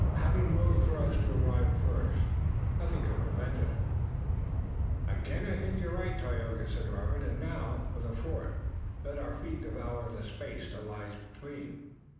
Having willed for us to arrive first, nothing could prevent it." "Again, I think you're right, Tayoga," said Robert, "and now for the fort. Let our feet devour the space that lies between."